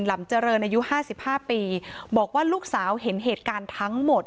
ลำเจริญอายุ๕๕ปีบอกว่าลูกสาวเห็นเหตุการณ์ทั้งหมด